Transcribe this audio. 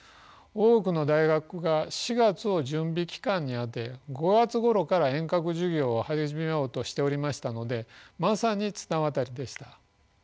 多くの大学が４月を準備期間に充て５月ごろから遠隔授業を始めようとしておりましたのでまさに綱渡りでした。